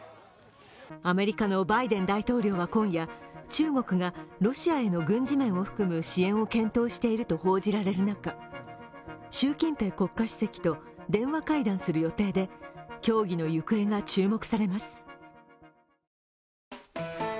アメリカのバイデン大統領は今夜、中国がロシアへの軍事面を含む支援を検討していると報じられる中習近平国家主席と電話会談する予定で、協議の行方が注目されます。